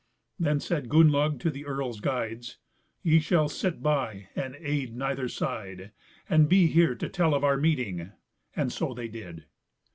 Then said Gunnlaug to the earl's guides, "Ye shall sit by and aid neither side, and be here to tell of our meeting;" and so they did.